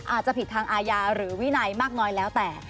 อาจจะผิดทางอาญาหรือวินัยมากน้อยแล้วแต่